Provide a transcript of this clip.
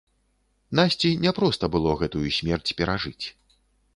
Насці няпроста было гэтую смерць перажыць.